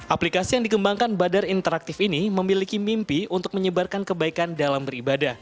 aplikasi yang dikembangkan badan interaktif ini memiliki mimpi untuk menyebarkan kebaikan dalam beribadah